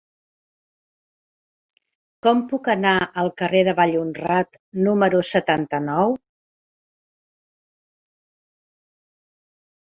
Com puc anar al carrer de Vallhonrat número setanta-nou?